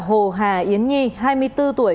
hồ hà yến nhi hai mươi bốn tuổi